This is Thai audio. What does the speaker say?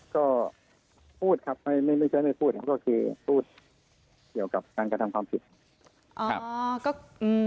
ก็พูดครับไม่ใช่ไม่พูดครับก็คือพูดเกี่ยวกับการกระทำความผิด